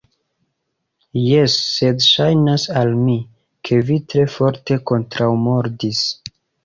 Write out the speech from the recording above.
Jes, sed ŝajnas al mi, ke vi tre forte kontraŭmordis.